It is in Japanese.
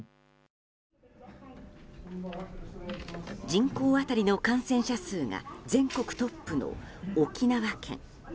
人口当たりの感染者数が全国トップの沖縄県。